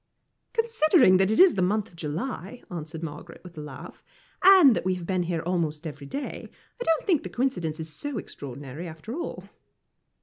"Considering that it is the month of July," answered Margaret, with a laugh, "and that we have been here almost every day, I don't think the coincidence is so extraordinary, after all."